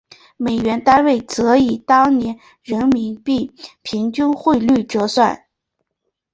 美元单位则以当年人民币平均汇率折算。